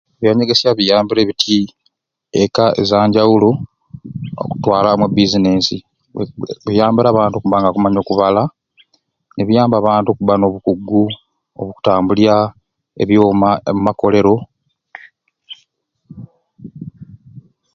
Ebyanyegesya biyambire bitti ekka ezanjawulo okutwaramwei e bizinensi bi bu biyambire abantu okubba nga nakumanya okubala nebiyamba abantu okubba nobukugu obukutambulya ebyoma omumakoleero.